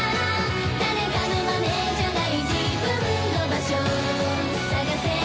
「誰かの真似じゃない自分の場所探せ」